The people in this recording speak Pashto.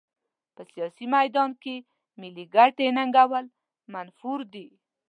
په سیاسي میدان کې ملي ګټې ننګول منفور دي.